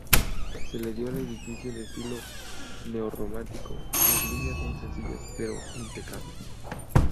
Se le dio al edificio el estilo neorrománico; sus líneas son sencillas pero impecables.